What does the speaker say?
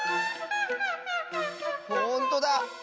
ほんとだ！